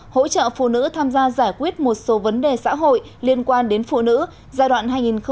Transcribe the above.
hỗ trợ phụ nữ tham gia giải quyết một số vấn đề xã hội liên quan đến phụ nữ giai đoạn hai nghìn một mươi sáu hai nghìn hai mươi